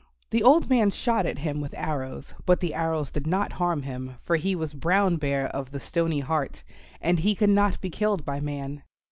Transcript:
The old man shot at him with his arrows, but the arrows did not harm him, for he was Brown Bear of the Stony Heart, and he could not be killed by man.